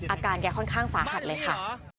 อาการแกค่อนข้างสาหัสเลยค่ะ